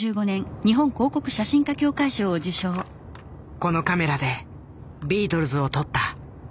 このカメラでビートルズを撮った。